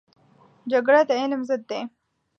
جګړه د علم ضد دی